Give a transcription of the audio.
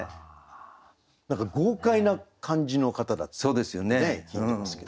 何か豪快な感じの方だったって聞いてますけど。